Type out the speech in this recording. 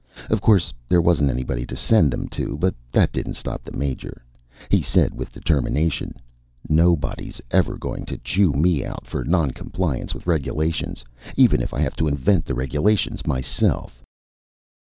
Of course there wasn't anybody to send them to, but that didn't stop the Major. He said with determination: "Nobody's ever going to chew me out for non compliance with regulations even if I have to invent the regulations myself!"